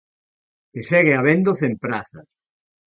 Que segue habendo cen prazas.